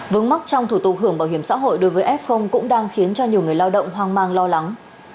vướng mắc trong thủ tục hưởng bảo hiểm xã hội đối với f cũng đang khiến cho nhiều người lao động hoang mang lo lắng